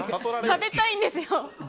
食べたいんですよ！